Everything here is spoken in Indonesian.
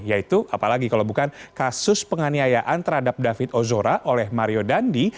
yaitu apalagi kalau bukan kasus penganiayaan terhadap david ozora oleh mario dandi